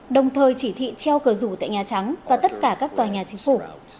đồng thời chỉ thị treo cờ rủ tại nhà trắng và tất cả các tòa nhà chính phủ